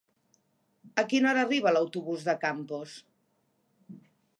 A quina hora arriba l'autobús de Campos?